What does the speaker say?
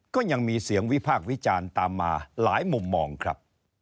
ก็ยังมีเสียงวิพากษ์วิจารณ์ตามมาหลายมุมมองครับ